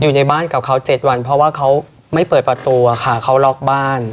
อยู่ในบ้านกับเขา๗วันเพราะว่าเขาไม่เปิดประตูค่ะเขาล็อกบ้าน